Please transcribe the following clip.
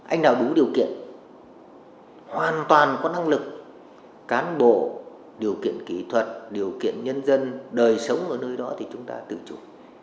anh nào đủ điều kiện hoàn toàn có năng lực cán bộ điều kiện kỹ thuật điều kiện nhân dân đời sống ở nơi đó thì chúng ta tự chủ